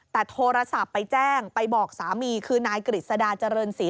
แต่โทรศัพท์ไปแจ้งไปบอกสามีคือนายกฤษดาเจริญศรี